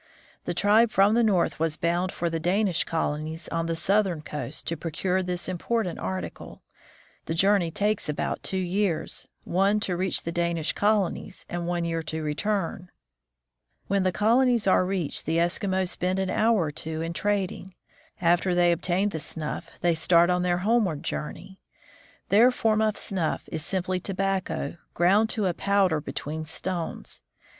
The tribe from the north was bound for the Danish colonies on the southern coast, to procure this important article. The journey takes about two years, one year to reach the Danish colonies, and one year to return. When the colonies are reached, the Eskimos spend an hour or two in trading. After they obtain the snuff, they start on their homeward journey. Their form of snuff is simply tobacco, ground to a powder between stones.